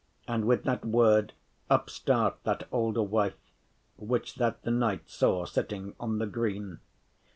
And with that word up start that olde wife Which that the knight saw sitting on the green.